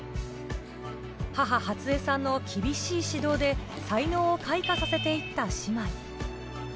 母・初江さんの厳しい指導で才能を開花させていった姉妹。